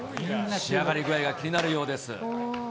仕上がり具合が気になるようです。